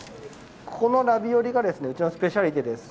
このラビオリがうちのスペシャリテです。